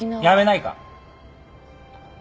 やめないか！